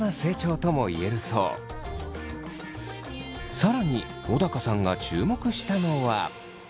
更に小高さんが注目したのは。